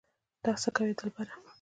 دا څه کوې دلبره